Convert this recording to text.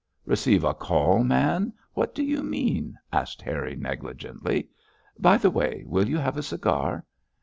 'Receive a call, man! What do you mean?' asked Harry, negligently. 'By the way, will you have a cigar?'